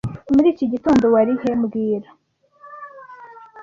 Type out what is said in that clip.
Muri iki gitondo, wari he mbwira